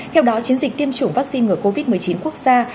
theo đó chiến dịch tiêm chủng vaccine ngừa covid một mươi chín quốc gia